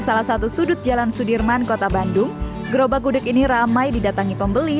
salah satu sudut jalan sudirman kota bandung gerobak gudeg ini ramai didatangi pembeli